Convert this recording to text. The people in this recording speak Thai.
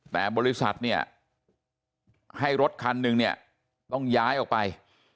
แต่บริษัทเนี่ยให้รถคันหนึ่งเนี่ยต้องย้ายออกไป